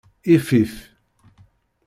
Ifif.